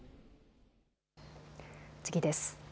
次です。